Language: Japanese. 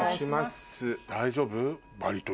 大丈夫？